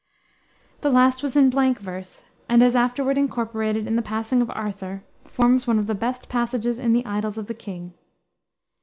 The last was in blank verse, and, as afterward incorporated in the Passing of Arthur, forms one of the best passages in the Idylls of the King.